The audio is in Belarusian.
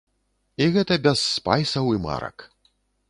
І гэта без спайсаў і марак.